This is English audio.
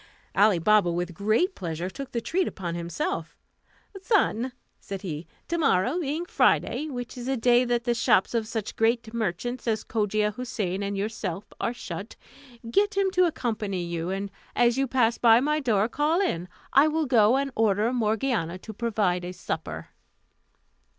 Ali Baba with great pleasure took the treat upon himself. "Son," said he, "to morrow being Friday, which is a day that the shops of such great merchants as Cogia Houssain and yourself are shut, get him to accompany you, and as you pass by my door, call in. I will go and order Morgiana to provide a supper."